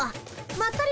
まったり。